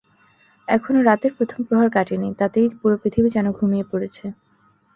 এখনো রাতের প্রথম প্রহর কাটেনি, তাতেই পুরো পৃথিবী যেন ঘুমিয়ে পড়েছে।